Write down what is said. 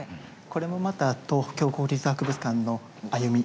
これもまた東京国立博物館の歩み